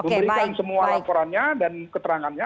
memberikan semua laporannya dan keterangannya